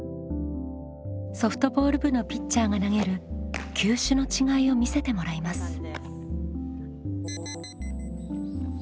ソフトボール部のピッチャーが投げる球種の違いを見せてもらいます。